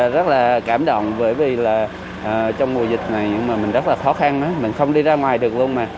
rất là cảm động bởi vì trong mùa dịch này mình rất là khó khăn mình không đi ra ngoài được luôn